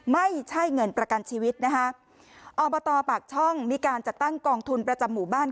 ไม่ใช่เงินประกันชีวิตนะคะอบตปากช่องมีการจัดตั้งกองทุนประจำหมู่บ้าน